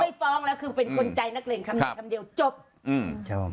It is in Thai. ไม่ฟ้องแล้วคือเป็นคนใจนักเรียนคำนี้คำเดียวจบ